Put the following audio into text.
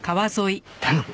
頼む